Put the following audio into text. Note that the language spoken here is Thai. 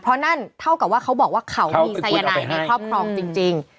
เพราะนั่นเท่ากับว่าเขาบอกว่าเขามีสายนายในครอบครองจริง